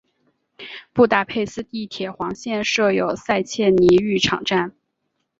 布达佩斯地铁黄线设有塞切尼浴场站。